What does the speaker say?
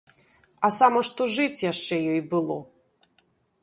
А сама што жыць яшчэ ёй было.